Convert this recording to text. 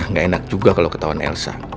gak enak juga kalau ketauan elsa